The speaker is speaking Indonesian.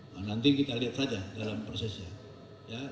nah nanti kita lihat saja dalam prosesnya